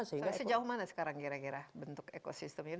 tapi sejauh mana sekarang kira kira bentuk ekosistemnya